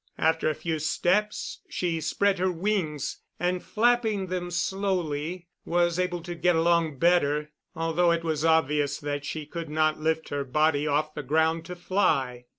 After a few steps she spread her wings, and, flapping them slowly, was able to get along better, although it was obvious that she could not lift her body off the ground to fly.